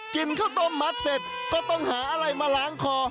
กินข้าวต้มมัดเสร็จก็ต้องหาอะไรมาล้างคอ